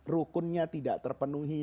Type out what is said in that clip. rukunnya tidak terpenuhi